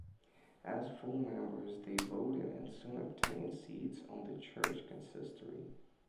As full members, they voted and soon obtained seats on the church's consistory.